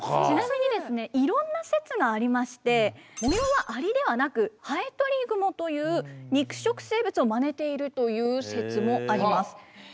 ちなみにですねいろんな説がありまして模様はアリではなくハエトリグモという肉食生物をまねているという説もあります。